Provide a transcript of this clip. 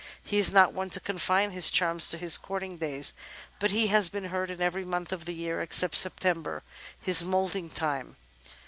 He is not one to confine his charms to his courting days, but has been heard in every month of the year except September, his moulting time.